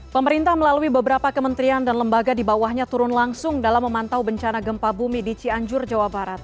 pemerintah melalui beberapa kementerian dan lembaga di bawahnya turun langsung dalam memantau bencana gempa bumi di cianjur jawa barat